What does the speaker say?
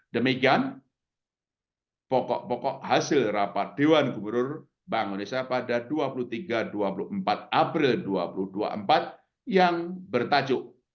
demikian pokok pokok hasil rapat dewan gubernur bank indonesia pada dua puluh tiga dua puluh empat april dua ribu dua puluh empat yang bertajuk